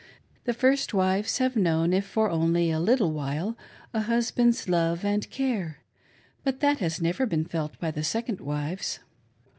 The first wives have known, if only for a little while, a hus band's love and care ; but that has never been felt by the second wives.